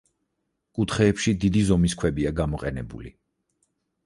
კუთხეებში დიდი ზომის ქვებია გამოყენებული.